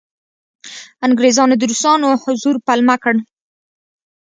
انګریزانو د روسانو حضور پلمه کړ.